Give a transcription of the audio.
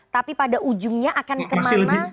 tapi pada ujungnya akan kemana